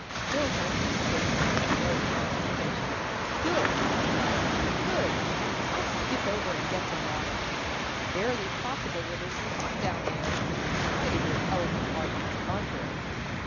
Phil Holmes' face went aglow with anticipation. "Good!" he cried. "Good! I'll skip over and get some water. It's barely possible that it'll be hot down there, in spite of your eloquent logic to the contrary!"